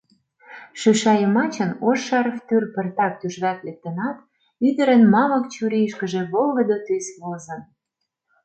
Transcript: Шӱша йымачын ош шарф тӱр пыртак тӱжвак лектынат, ӱдырын мамык чурийышкыже волгыдо тӱс возын.